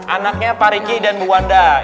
anaknya pak riki dan bu wanda